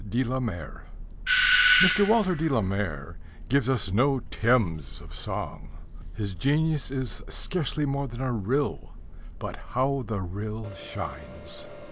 DE LA MARE Mr. Walter de la Mare gives us no Thames of song. His genius is scarcely more than a rill. But how the rill shines!